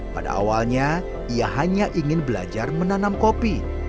pada awalnya ia hanya ingin belajar menanamkan